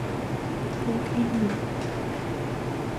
Wôkh ényum.